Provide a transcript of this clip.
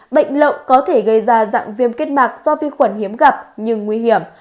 bệnh lậu có thể gây ra dạng viêm kết mạc do vi khuẩn hiếm gặp nhưng nguy hiểm